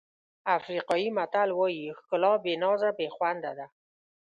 افریقایي متل وایي ښکلا بې نازه بې خونده ده.